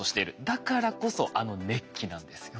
だからこそあの熱気なんですよ。